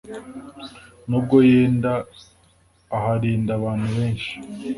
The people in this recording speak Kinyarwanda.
nubwo yenda aharinda abantu benshi